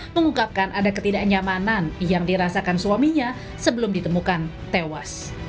mengungkapkan ada ketidaknyamanan yang dirasakan suaminya sebelum ditemukan tewas